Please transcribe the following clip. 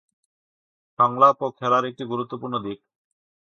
সংলাপও খেলার একটি গুরুত্বপূর্ণ দিক।